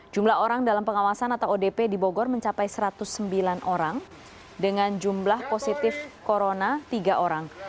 jumlah orang dalam pengawasan atau odp di bogor mencapai satu ratus sembilan orang dengan jumlah positif corona tiga orang